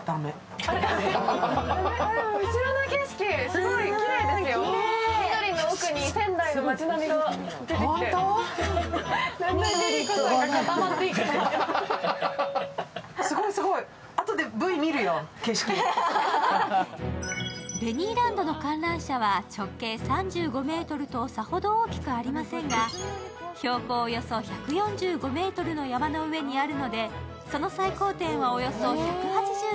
緑の奥に仙台の街並みが出てきてベニーランドの観覧車は直径３５ｍとさほど大きくありませんが標高およそ１４５ｍの山の上にあるのでその最高点はおよそ１８０ｍ。